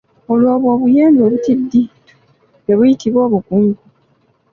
Olwo bwo obuyembe obutiddiitu ne buyitibwa obukunku.